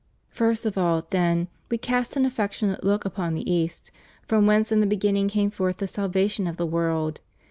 First of all, then, We cast an affectionate look upon the East, from whence in the beginning came forth the salva tion of the world.